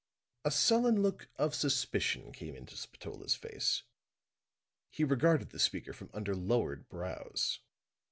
A sullen look of suspicion came into Spatola's face; he regarded the speaker from under lowered brows.